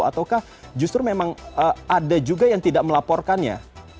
ataukah justru memang ada juga yang tidak melaporkannya